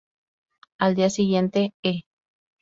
Al día siguiente, E!